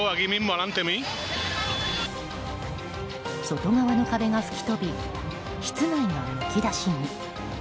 外側の壁が吹き飛び室内がむき出しに。